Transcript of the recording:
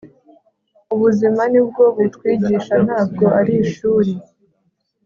Ubuzima ni bwo butwigisha ntabwo ari ishuri